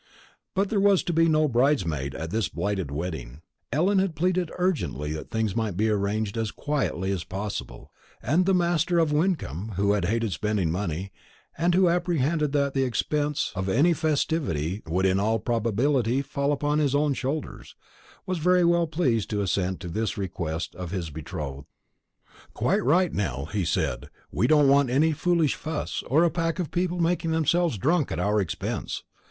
But there was to be no bridesmaid at this blighted wedding. Ellen had pleaded urgently that things might be arranged as quietly as possible; and the master of Wyncomb, who hated spending money, and who apprehended that the expenses of any festivity would in all probability fall upon his own shoulders, was very well pleased to assent to this request of his betrothed. "Quite right, Nell," he said; "we don't want any foolish fuss, or a pack of people making themselves drunk at our expense.